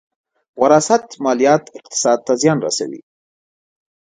وراثت ماليات اقتصاد ته زیان رسوي.